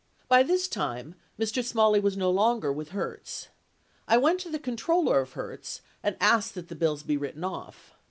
By this time Mr. Smalley was no longer with Hertz. I went to the controller of Hertz and asked that the bills be written off.